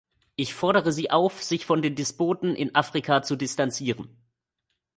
Ich fordere Sie auf, sich von den Despoten in Afrika zu distanzieren.